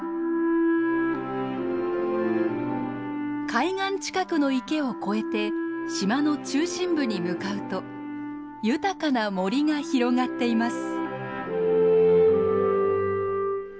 海岸近くの池を越えて島の中心部に向かうと豊かな森が広がっています。